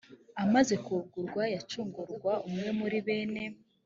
amaze kugurwa yacungurwa umwe muri bene